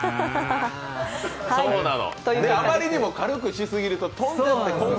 あまりにも軽くしすぎると、飛んじゃってコース